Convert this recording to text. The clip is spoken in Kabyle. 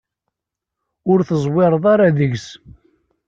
Ur teẓwireḍ ara deg-s.